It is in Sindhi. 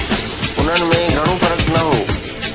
انهن ۾ گهڻو فرق نه هو